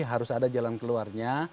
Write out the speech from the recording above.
harus ada jalan keluarnya